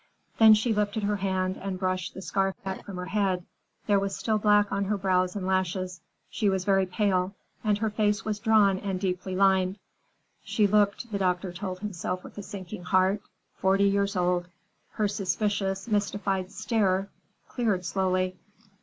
Then she lifted her hand and brushed the scarf back from her head. There was still black on her brows and lashes. She was very pale and her face was drawn and deeply lined. She looked, the doctor told himself with a sinking heart, forty years old. Her suspicious, mystified stare cleared slowly.